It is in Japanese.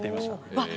うわっ！